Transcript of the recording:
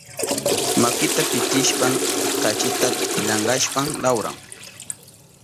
Makinta pitishpan kachita llankashpan lawran.